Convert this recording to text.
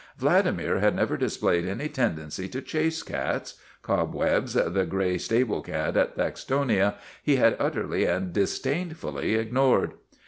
Vladimir had never displayed any tendency to chase cats ; Cobwebs, the gray stable cat at Thaxtonia, he had utterly and disdainfully ig nored.